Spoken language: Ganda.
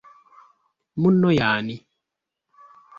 Munno y'ani?